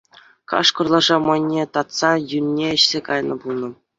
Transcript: Кашкӑр лаша мӑйне татса юнне ӗҫсе кайнӑ пулнӑ.